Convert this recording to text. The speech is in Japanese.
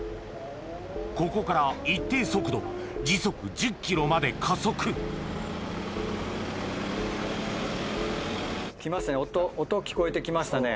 ここから一定速度時速１０ｋｍまで加速来ましたね